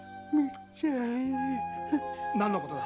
何のことだ？